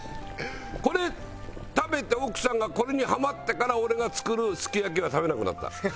これ食べて奥さんがこれにハマってから俺が作るすき焼きは食べなくなった。